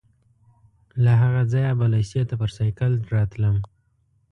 له هغه ځایه به لېسې ته پر سایکل راتلم.